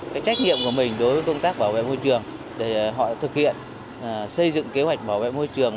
cái trách nhiệm của mình đối với công tác bảo vệ môi trường để họ thực hiện xây dựng kế hoạch bảo vệ môi trường